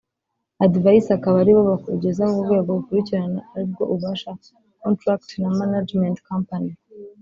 advisors akaba aribo bakugeza ku rwego rukurikira aribwo ubasha kubona contrat na management company